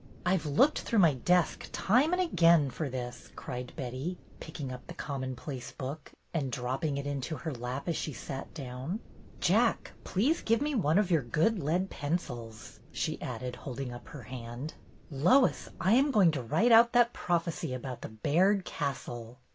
"I 've looked through my desk time and again for this," cried Betty, picking up the commonplace book, and dropping it into her lap as she sat down. "Jack, please, give me one of your good lead pencils," she added, holding up her hand. 46 BETTY BAIRD'S GOLDEN YEAR ''Lois, I am going to write out that prophecy about the Baird castle.